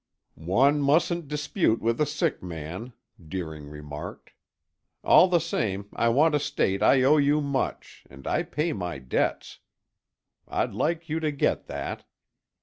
"One mustn't dispute with a sick man," Deering remarked. "All the same I want to state I owe you much, and I pay my debts. I'd like you to get that."